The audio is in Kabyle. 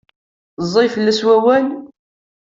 Ẓẓay fell-as wawal?